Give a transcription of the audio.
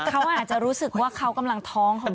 เพราะอาจจะรู้สึกคอกำลังท้อง